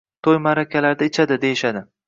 To‘y-ma’rakalarda ichadi, deyishadi.